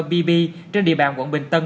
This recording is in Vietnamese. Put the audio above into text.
bb trên địa bàn quận bình tân